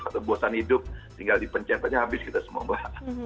atau bosan hidup tinggal dipencet aja habis kita semua mbak